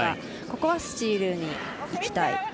ここはスチールにいきたい。